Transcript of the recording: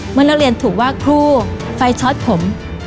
เมื่อนักเรียนถูกว่าครูไฟช็อตผม